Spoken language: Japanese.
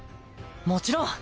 もちろん。